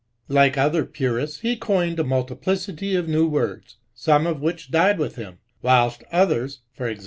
Like other purists, he coined a multiplicity of new words, some of which died with him, whilst others (ex.